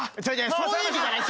そういう意味じゃない！